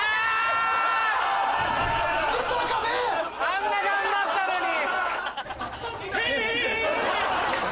あんな頑張ったのに！